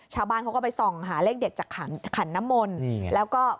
ชาวบ้านเขาก็ไปส่องหาเลขเด็ดจากขันขันน้ำมนต์แล้วก็